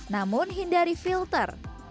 namun hindari filter